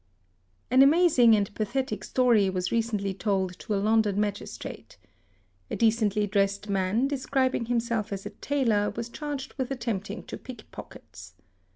) An amazing and pathetic story was recently told to a London Magis _ trate. A decently dressed man, describing himself as a tailor, was charged — with attempting to pickpockets.